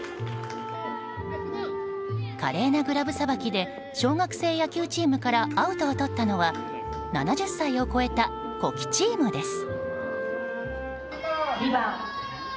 華麗なグラブさばきで小学生野球チームからアウトをとったのは７０歳を超えた古希チームです。